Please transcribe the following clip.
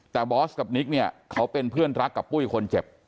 แต่บอสกับนิกเนี่ยเขาเป็นเพื่อนรักกับปุ้ยคนเจ็บ